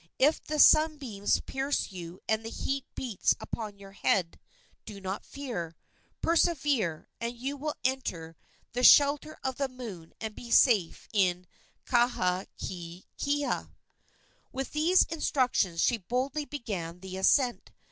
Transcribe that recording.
If the sunbeams pierce you and the heat beats upon your head, do not fear. Persevere, and you will enter the shelter of the Moon and be safe in Kahakaekaea." With these instructions she boldly began the ascent.